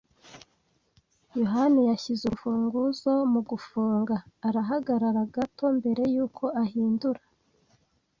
yohani yashyize urufunguzo mugufunga arahagarara gato mbere yuko ahindura.